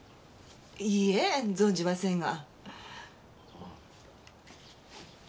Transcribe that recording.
いいえ存じませんが。